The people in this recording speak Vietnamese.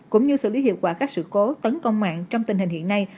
cũng như xử lý hiệu quả các sự cố tấn công mạng trong tình hình hiện nay